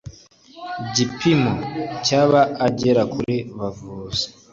gipimo cya abagera kuri bavuze